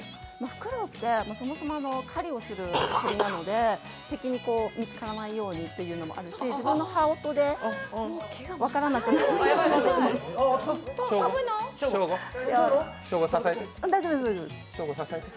フクロウって、そもそも狩りをする鳥なので敵に見つからないようにというのもあるし、自分の羽音で分からなくなるショーゴ、支えて。